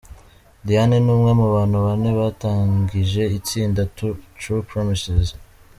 Diane ni umwe mu bantu bane batangije itsinda True Promises.